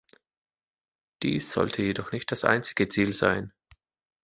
Dies sollte jedoch nicht das einzige Ziel sein.